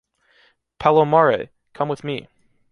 Palomares, come with me.